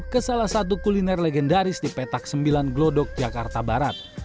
ke salah satu kuliner legendaris di petak sembilan glodok jakarta barat